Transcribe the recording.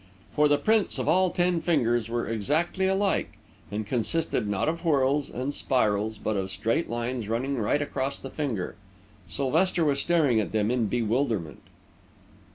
For the prints of all ten fingers were exactly alike, and consisted, not of whorls and spirals, but of straight lines running right across the finger. Sylvester was staring at them in bewilderment.